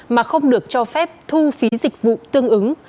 mà không được cho phép thu phí dịch vụ tương ứng